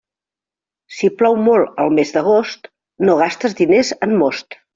Si plou molt al mes d'agost, no gastes diners en most.